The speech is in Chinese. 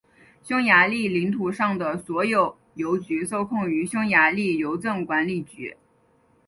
匈牙利领土上的所有邮局受控于匈牙利邮政管理局。